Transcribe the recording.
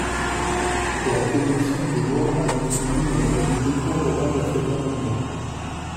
La commission des lois a donc émis un avis défavorable à cet amendement.